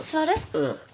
うん。